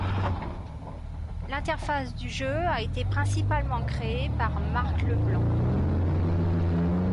L'interface du jeu a été principalement créée par Marc Leblanc.